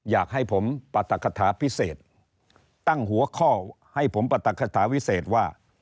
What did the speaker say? อยากให้ผมปรัฐคาถาพิเศษตั้งหัวข้อให้ผมปรัฐคาถาวิเศษว่า